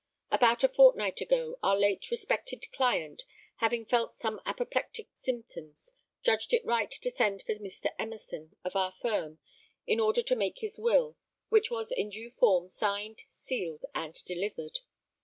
About a fortnight ago, our late respected client, having felt some apoplectic symptoms, judged it right to send for Mr. Emerson, of our firm, in order to make his will, which was in due form signed, sealed, and delivered.